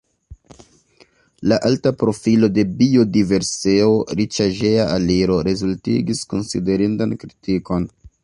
La alta profilo de biodiverseo-riĉaĵeja aliro rezultigis konsiderindan kritikon.